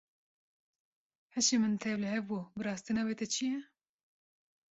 Hişê min tevlihev bû, bi rastî navê te çi ye?